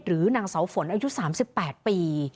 นางเสาฝนอายุ๓๘ปี